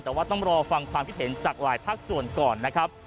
แต่ว่าต้องรอฟังความคิดเห็นจากหลายภาคส่วนก่อนนะครับ